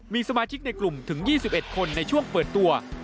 มีสมาชิกในกลุ่มถึง๒๑คนในช่วงเปิดตัว